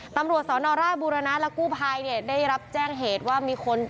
ตำรวจสนราชบุรณะและกู้ภัยเนี่ยได้รับแจ้งเหตุว่ามีคน